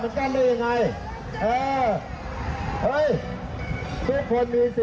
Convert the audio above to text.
ภูมิปืออยู่ตำรวจ